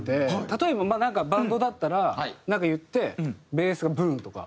例えばバンドだったらなんか言ってベースが「ブーン！」とか。